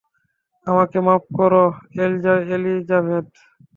আমাকে মাফ করো এলিজাবেথ।